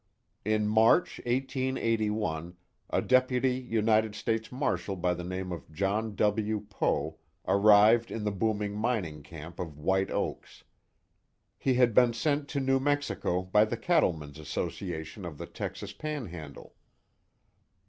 In March, 1881, a Deputy United States Marshal by the name of John W. Poe arrived in the booming mining camp of White Oaks. He had been sent to New Mexico by the Cattlemen's Association of the Texas Panhandle.